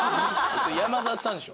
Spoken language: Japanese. それ山里さんでしょ？